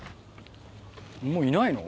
もういないの？